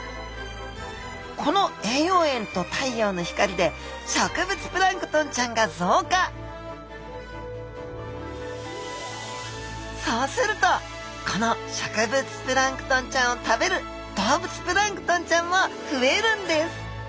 この栄養塩と太陽の光で植物プランクトンちゃんが増加そうするとこの植物プランクトンちゃんを食べる動物プランクトンちゃんも増えるんです